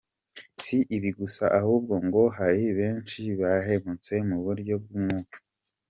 Si ibi gusa ahubwo ngo hari benshi bahembutse mu buryo bw’Umwuka.